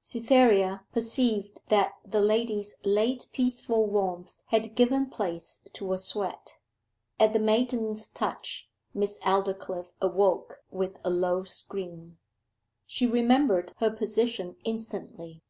Cytherea perceived that the lady's late peaceful warmth had given place to a sweat. At the maiden's touch, Miss Aldclyffe awoke with a low scream. She remembered her position instantly.